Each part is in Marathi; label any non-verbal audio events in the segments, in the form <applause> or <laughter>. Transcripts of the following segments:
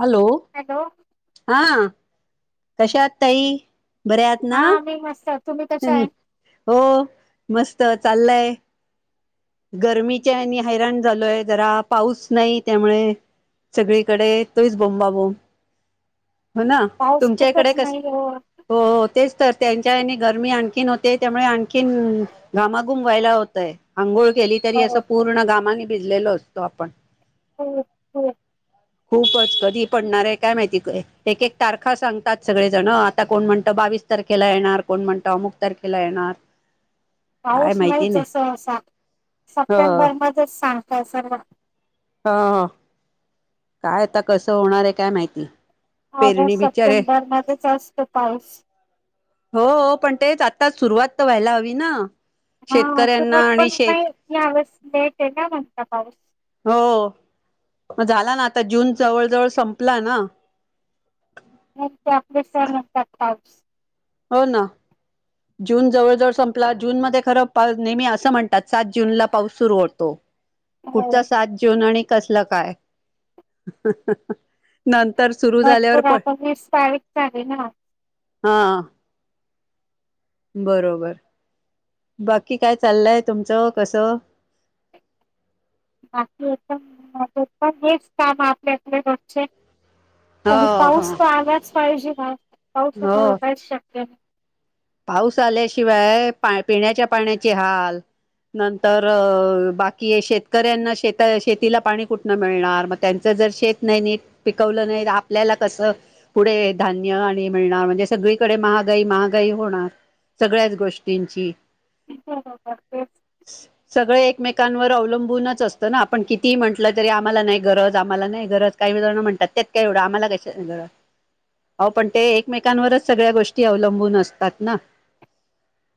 हॅलो, हॅलो हा. कशा आहात ताई? बऱ्या आहात ना हा मी मस्त. तुम्ही कशा आहे हो मस्त चालय. गरमीच्या हेनि हैराण झालोय जरा पाऊस नाही त्यामुळे सगळीकडे तोच बोंबाबोंब. हो ना पाऊस तुमच्या इकडे खूपच कस नाही हो हो हो तेच तर. त्यांच्या हिने गरमी आणखीन होते त्यामुळे आणखीन घामाघूम व्हायला होतय आंघोळ केली तरी हो, असं पूर्ण घामाने भिजलेलो असतो आपण. हो हो. खूपच कधी पडणार आहे काय माहिती का एक एक तारखा सांगतात सगळेजण आता कोण म्हणत बावीस तारखेला येणार कोण म्हणत अमुक तारखेला येणार. काय पाऊस माहिती नाहीच नाही असं असा ह सप्टेंबर मध्येच सांग <unintelligible> हं हं काय आता कसं होणार आहे काय माहिती. पेरणी ऑगस्ट, बिचारे सप्टेंबर मध्येच असतो पाऊस. हो पण तेच आत्ताच सुरुवात तर व्हायला हवी ना. हा शेतकऱ्यांना सुरुवात आणि पण शेत नाही यावेळेस लेट आहे, का म्हणता पाऊस? हो मग झाला ना, आता जून जवळ जवळ संपला ना. मग ते आपले सण असतात पाऊस हो ना जून जवळ जवळ संपला जून मध्ये खरं पा नेहमी असं म्हणतात, सात जूनला पाऊस सुरू होतो. हो कुठचा सात जून आणि कसलं काय? ह ह ह नंतर सुरु झाल्यावर भरपूर पड आता वीस तारीख झाली ना हा. बरोबर बाकी काय चाललंय तुमचं कसं? बाकी एकदम मजेत, पण हेच काम आपले रोजचे. आणि हो हो पाऊस तर आलाच पाहिजे म, हो पाऊसामुळं काहीचं शक्य नाही. पाऊस आल्याशिवाय पा पिण्याच्या पाण्याचे हाल नंबर, बाकी शेतकऱ्यांना शेता शेतीला पाणी कुठनं मिळणार? मग त्यांच जर शेत नाही निट पिकवलं नाही तर, आपल्याला कस पुढे धान्य आणि मिळणार म्हणजे सगळीकडे महागाई महागाई होणार सगळ्याच गोष्टींची. सगळे <unintelligible> एकमेकांवर अवलंबूनच असतं ना, आपण किती म्हटलं तरी आम्हाला नाही गरज आम्हाला नाही गरज काही जण म्हणतात, त्यात काय एवढं आम्हाला कशाची गरज हो पण ते एकमेकांवरच सगळ्या गोष्टी अवलंबून असत तात ना.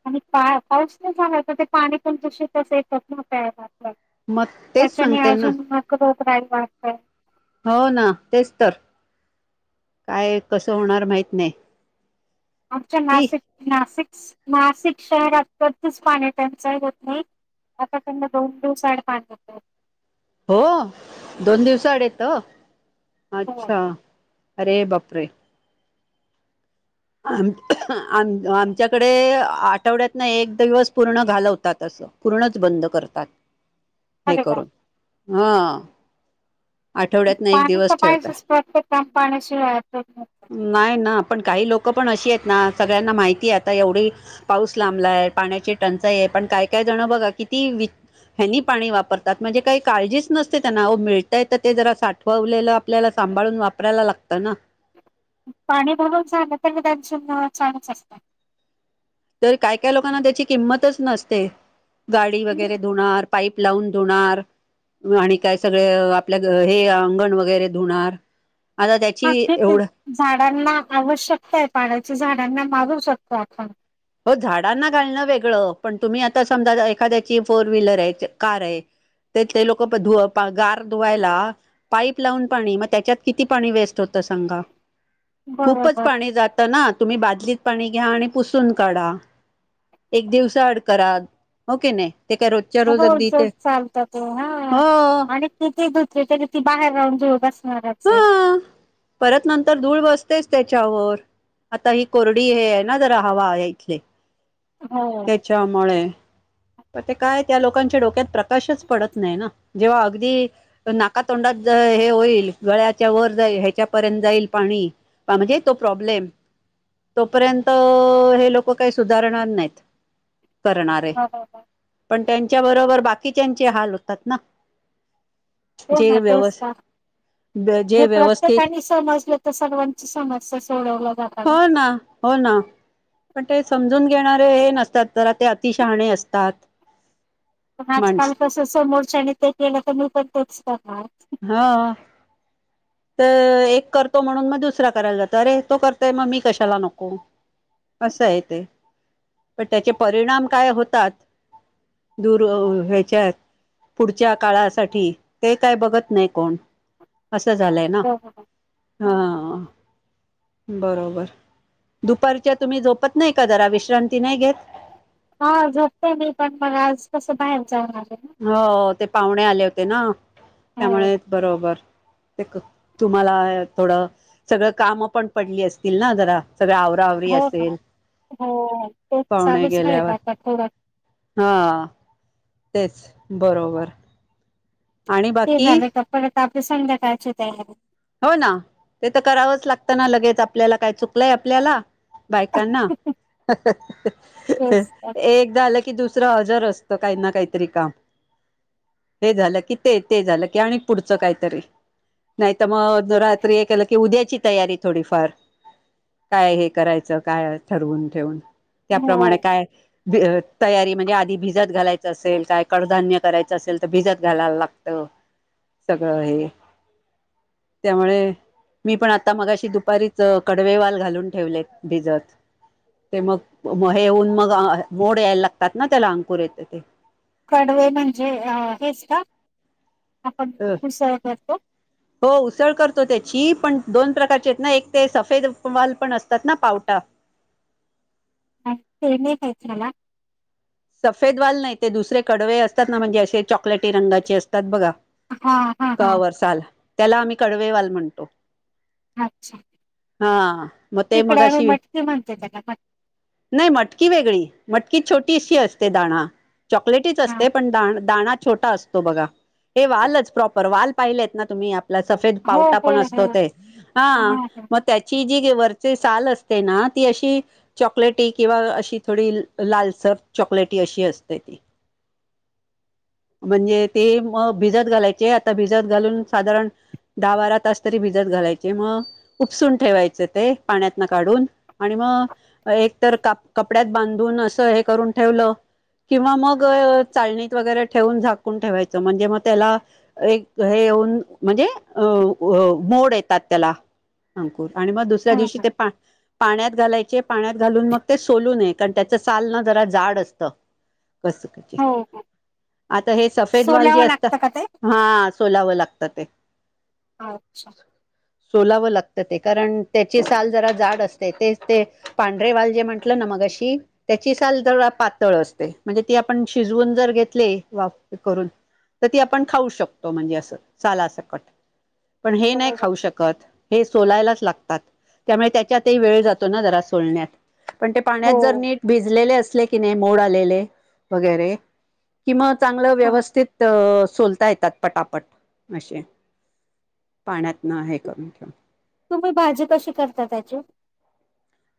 आणि पा पाऊस पण झालायं तर ते पाणी पण दुषित येत, कसं प्यायनार? मग तेच सांगते, ना मग रोगराई वाढतय. हो ना तेच तर. काय कसं होणार माहित नाही? आमच्या ठीक नाशिक नाशिक नाशिक शहरात कधीच पाणी टंचाई होत नाही, आता त्यांना दोन दिवस आड पाणी येत. हो दोन दिवस आड येतं? हो अच्छा! अरे बापरे! आ आम आमच्याकडे आठवड्यात ना एक दिवस पूर्ण चालवतात, असं पूर्णच बंद करतात. हे अरे वा करून हा. आठवड्यातन एक पाणी त दिवस ठेवतात पाहिजेच प्रत्येक काम पाण्याशिवाय <unintelligible> नाही ना पण काही लोक पण अशी आहेत ना, सगळ्यांना माहितीय आता एवढी पाऊस लांबलाय पाण्याची टंचाई आहे, पण काय काय जण बघा किती वि ह्यांनी पाणी वापरतात, म्हणजे काही काळजीच नसते त्यांना मिळ ते जरा साठववलेलं आपल्याला सांभाळून वापरायला लागतं ना. पाणी भरून झाल तरी, त्यांचे नळ चालूचं असतात. तर काय काय लोकांना त्याची किंमतच नसते. गाडी वगैरे धुणार पाईप लावून धुणार आणि काय सगळ आपल्या हे अंगण वगैरे धुणार. आता हा त्याची ठीक एवढं आहे झाडांना आवश्यकता आहे पाण्याची झाडांना मारू शकतो आपण. हो झाडांना घालणं वेगळं, पण तुम्ही आता समजा एखाद्याची फोर व्हीलर आहे कार आहे तेथले लोक धु गार धुवायला पाईप लावून पाणी मग त्याच्यात किती पाणी वेस्ट होत सांगा. खूपच बरोबर पाणी जात ना तुम्ही बादलीत पाणी घ्या आणि पुसून काढा एक दिवसा आड करा हो किनई? रोजचं चालत ते हा हो आणि किती धुतली तरी ती बाहेर राहून धुळ बस हा परत नंतर धूळ बसतेच त्याच्यावर आता ही कोरडी हे आहे, ना जरा हवा इथली. हो. त्याच्या मुळे तर ते काय त्या लोकांच्या डोक्यात प्रकाशच पडत नाही ना, जेव्हा अगदी नाकातोंडात हे होईल. गळ्याच्या वर जाई ह्याच्यापर्यंत जाईल पाणी म्हणजे तो प्रॉब्लेम तो पर्यंत हे लोक काही सुधारणार नाहीत. करणारे बरोबर पण त्यां त्या बरोबर बाकीच्याचे हाल होतात ना हो ना, जे तेच व्यवस् ना. ब- जे हे व्यवस्थित प्रत्येकानी समजलं तर, सर्वांची समस्या सोडवल्या जाता ना. हो हो ना पण ते समजून घेणारे हे नसतात, जरा ते अतिशहाणे असतात. पण आजकाल माणस कस समोरच्याने ते केलं तर, मी पण तेच करणारं. काय? हा. तर एक करतो म्हणून, मग दुसरा करायला जातो. अरे तो करतोय मग मी कशाला नको असं आहे ते, पण त्याचे परिणाम काय होतात, दूर ह्याच्यात पुढच्या काळासाठी ते काय बघत नाही कोण असं असं झालयं ना, बरोबर. ह ह. बरोबर दुपारच्या तुम्ही झोपत नाही का जरा, विश्रांती नाही घेत? हा झोपते मी पण, मग आज कसं बाहेर जाव लागलं. हो ते पाहुणे आले होते ना. हो त्यामुळेच बरोबर त क तुम्हाला थोडं, सगळं काम पण पडली असतील ना जरा. सगळ आवराआवरी हो ना असेल, हो तेच पाहुणे चालूच राहील गेल्यावर आता थोडं. हा. तेच बरोबर. आणि ते बाकी झालं का परत बाकी संध्याकाळची तयारी. हो ना ते तर करावंच लागतं, ना लगेच आपल्याला काय चुकलंय आपल्याला? बायकांना ह ह ह तेच तर. एक झालं की की दुसरं हजर असत काही ना काही तरी काम हे झालं की, ते झालं की आणि पुढच काही तरी नाही त मग रात्री हे केलं की उद्याची तयारी थोडीफार, काय हे करायचं काय ठरवून ठेवून. त्याप्रमाणे हो. काय भिजत तयारी म्हणजे आधी भिजत घालायचं असेल, काय कडधान्य करायचं असेल, तर भिजत घालायला लागत सगळं हे. त्यामुळे, मी पण आता मग अशी दुपारीच कडवेवाल घालून ठेवले भिजत ते मग हे होऊन, मग मोड यायला लागतात ना त्याला अंकुर येत ते. कडवे म्हणजे आ हेच का? आपण अ उसळ करतो हो उसळ करतो त्याची पण दोन प्रकारचे आहेत ना? एक ते सफेद वाल पण असतात ना पावटा. हं ते नाही <unintelligible> सफेद वाल नाही ते दुसरे कडवे असतात ना म्हणजे असे चॉकलेटी रंगाचे असतात बघा. हां हां हां. कवर साल त्याला आम्ही कडवेवाल म्हणतो. अच्छा हां म ते इकडे आम्ही मगाशी मटकी म्हणतो त्याला मटकी नाही मटकी वेगळी मट की छोटीशी अस ते दाणा. चॉकलेटीच हा असते पण दान दाणा छोटा असतो बघा. हे वालच प्रॉपर वाल पाहिलेत ना तुम्ही? <unintelligible> सफेद हो पावटा हो पण असतो हो ते हा हां हो म त्याची जी ते वरचे साल असते ना ती अशी चॉकलेटी किंवा अशी थोडी लालसर चॉकलेटी अशी असते ती. म्हणजे ते म भिजत घालायचे आता भिजत घालून साधारण दहा-बारा तास तरी भिजत घालायचे म उपसून ठेवायचे ते पाण्यातनं काढून आणि म एक तर क कपड्यात बांधून असं हे करून ठेवलं किंवा मग चाळणीत वगैरे ठेवून झाकून ठेवायचं म्हणजे म त्याला एक हे येऊन म्हणजे अ अ मोड येतात त्याला अंकूर. आणि मग दुसऱ्या हो हो दिवशी ते पा पाण्यात घालायचे पाण्यात घालून मग ते सोलूू नये कारण त्याचं साल ना जरा जाड असतं. हो हो. <unintelligible> हे सफेद वाल जे सोलावं असतात, लागतं का ते हा सोलावं लागता ते अच्छा सोलावं लागत ते, कारण त्याची साल जरा जाड असते. ते ते पांढरेवाल जे म्हटलं ना, मगाशी त्याची साल जरा पातळ असते म्हणजे ती आपण शिजवून जर घेतली वाफ करून, तर ती आपण खाऊ शकतो म्हणजे असं साला अ सकट पण हे नाही बरोबर खाऊ शकत. हे सोलायलाच लागतात, त्यामुळे त्याच्यातही वेळ जातो ना, जरा सोलण्यात. पण ते पाण्यात हो जर, नीट भिजलेले अस ले की नाही, मोड आलेले वगैरे कि म चांगलं हा व्यवस्थित अ सोलता येतात पटापट असे, पाण्यात न हे करून ठेऊन. तुम्ही भाजी कशी करता त्याची?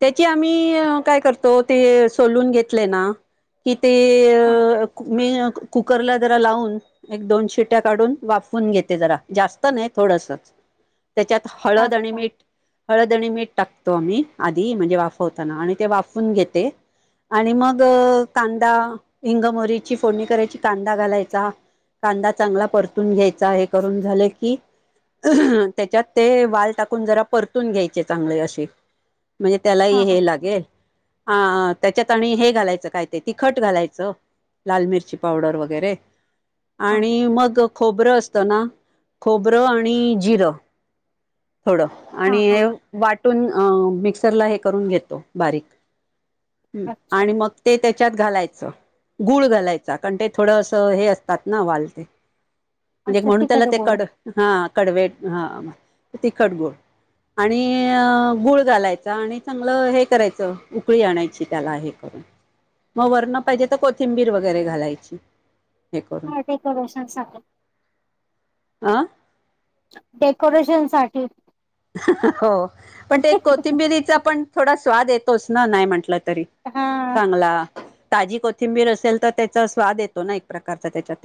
त्याची आम्ही काय करतो? ते सोलून घेतले ना की ते हा अ मी कुकरला जरा लावून, एक दोन शिट्या काढून वाफ वून घेते. जरा जास्त नाही थोडसच त्याच्यात हळद आणि अच्छा मीठ हळद आणी मीठ टाकतो आम्ही. आधी म्हणजे वाफवताना आणि ते वाफून घेते आणि मग कांदा, हिंग, मीरा ची फोडणी करायची. कांदा घालायचा, कांदा चांगला परतून घ्याय चा हे करून झाले की त्याच्यात ते वाल टाकून जरा परतून घ्यायचे चांगले असे म्हणजे हा त्यालाही हा हे लागेल. हां त्याच्यात आणि हे घालायचं काय ते तिखट घालायचं लाल मिरची पावडर वगैरे. हा आणि मग खोबरं असतं ना खोबरं आणि जिरं थोडं हा आणि हा हे वा टून अ मिक्सरला हे करून घेतो बारीक. हम्म अच्छा आणि मग ते त्या च्यात घालायचं गुळ घालायचा कारण ते थोडं असं हे असतात ना वाल ते म्हणजे एक अच्छा म्हणून त्याला तिखट ते गोड कड हां कडवेट हां. तिखट गोड आणि गुळ घालायचा आणि चांगलं हे करायचं उकळी आणायची त्याला हे करून मग वरणं पाहिजे तर कोथिंबीर वगैरे घालायची. हे करून हां डेकोरेशनसाठी. अं? डेकोरेशनसाठी. हो पण ते कोथिंबिरीचा पण थोडा स्वाद ये तोच ना नाही म्हटलं तरी हा चांगला ताजी कोथिंबीर असेल तर त्याचा स्वाद येतो ना एक प्रका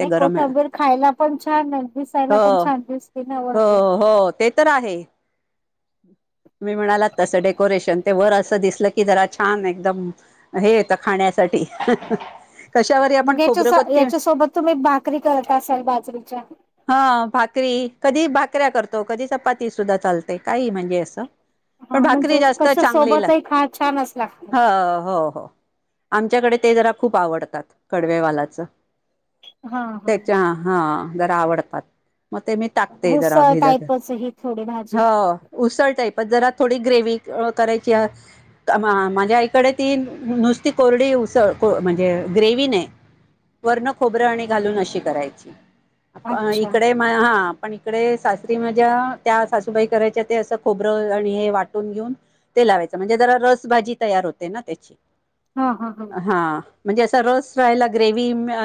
नाही कोथंबीर खायला पण छान आहे दिसायला पण हो छान दिसते वरतून. हो हो ते तर आहे तुम्ही म्हणालात तसं डेकोरेशन ते वर असं दिसलं की जरा छान एकदम हे येतं खाण्यासाठी. कशावरही आपण मग खोबरं याच्या याच्यासोबत तुम्ही भाकरी करत असाल बाजरीच्या <unintelligible> हां भाकरी कधी भाक भाकऱ्या करतो कधी चपाती सुद्धा चाल ते काहीही म्हणजे असं. हां म्हणजे जास्त कशा चांगली सोबतही लाग खा छानच लागते. हो हो हो आमच्याकडे ते जरा खूप आवडतात कडवे वालाचं. हा हा त्याच्या हां जरा आवडतात म ते मी टाकते जरा उसळ भिजत टाईपच ही थोडी भा हो उसळ टाईप पण जरा थोडी ग्रेव्ही अ करायची अ मा माझ्या आईकडे ती नुसती कोरडी उसळ को म्हणजे ग्रेव्ही नाही वरणं खोबरं आणि घालून अशी करायची. अ अच्छा इकडे म हां पण इकडे सासरी माझ्या त्या सा सूबाई करायच्या ते असं खोबरं आणि हे वाटून घेऊन ते लावायचं, म्हणजे जरा रस भाजी तयार होते ना त्याची? हा हा हा हां म्हणजे अ रस राहायला ग्रेव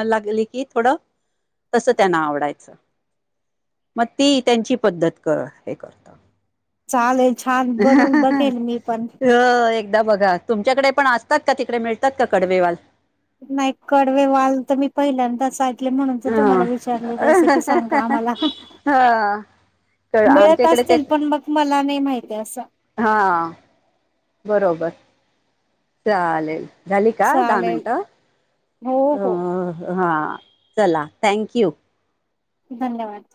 लागली की थोडं, तस त्यांना आवडायचं. मग ती त्यांची पद्धत कर. हे करत. चालेल. छान बनून बघेन मी पण. हो एकदा बघा. तुमच्याकडे पण असतात का, तिकडे मिळतात का कडवेवाल? नाही कडवे वाल तर मी पहिल्यांदाच ऐकले म्हणून तर ह तुम्हाला विचारली रेसिपी सांगा आम्हाला. हा आमच्या मिळत इकडे ते असतील पण मग मला नाही माहित. हा. बरोबर, चालेल. झाली का? दहा चालेल मिनिटं. हो अ हो - हा. चला थँक यू. धन्यवाद.